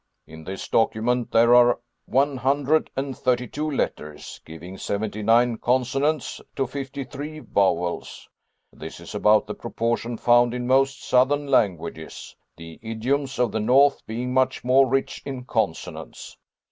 In this document there are one hundred and thirty two letters, giving seventy nine consonants to fifty three vowels. This is about the proportion found in most southern languages, the idioms of the north being much more rich in consonants.